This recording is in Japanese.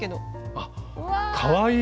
あっかわいい！